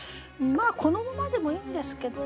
このままでもいいんですけど。